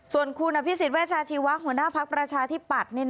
ส่วนคุณพิสิทธิ์เวชาชีวะหัวหน้าพักประชาที่ปัด